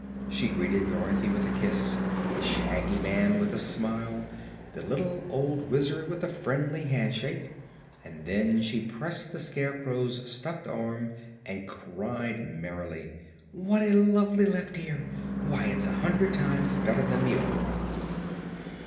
She greeted Dorothy with a kiss, the Shaggy Man with a smile, the little old Wizard with a friendly handshake and then she pressed the Scarecrow's stuffed arm and cried merrily: "What a lovely left ear! Why, it's a hundred times better than the old one."